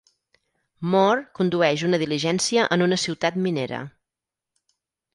Moore condueix una diligència en una ciutat minera.